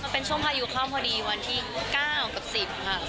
เป็นช่วงพายุเข้าพอดีวันที่๙กับ๑๐ค่ะ